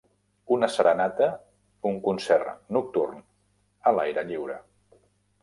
Una serenata, un concert nocturn a l'aire lliure